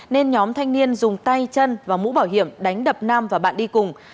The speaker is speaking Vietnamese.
nên nhóm thanh niên dùng tay chân và mũ bảo hiểm đánh đập nam và bạn đi cùng